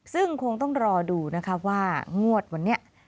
ซึ่งคงต้องรอดูนะคะว่างวดวันนี้